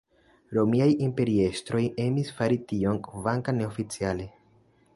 Romiaj imperiestroj emis fari tion, kvankam neoficiale.